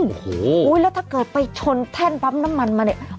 โอ้โหแล้วถ้าเกิดไปชนแท่นปั๊มน้ำมันมาเนี่ย